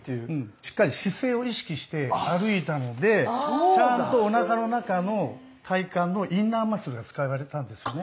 しっかり姿勢を意識して歩いたのでちゃんとおなかの中の体幹のインナーマッスルが使われたんですよね。